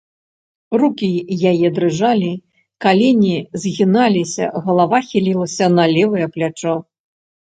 Рукі яе дрыжалі, калені згіналіся, галава хілілася на левае плячо.